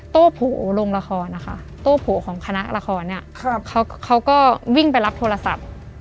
โต้โผล่ลงละครนะคะโต้โผล่ของคณะละครเนี่ยเขาก็วิ่งไปรับโทรศัพท์